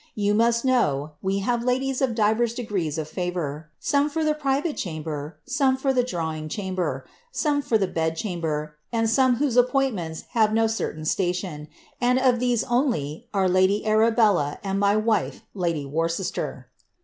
You iiinsl know, we have ladies of divers degrees of lavour, — sojiie for ihf private chamber, some fur tlie drawing chamber, eome for the beil chajnber, and some whose apjwintmcnls have no certain station. anJ I'l' these oniy are lady Arabella and my wife, (lady Worcester.